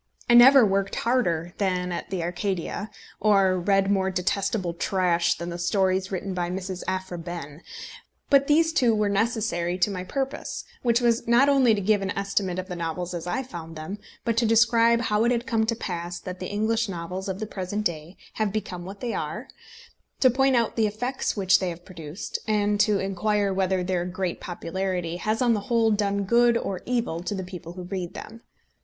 I never worked harder than at the Arcadia, or read more detestable trash than the stories written by Mrs. Aphra Behn; but these two were necessary to my purpose, which was not only to give an estimate of the novels as I found them, but to describe how it had come to pass that the English novels of the present day have become what they are, to point out the effects which they have produced, and to inquire whether their great popularity has on the whole done good or evil to the people who read them.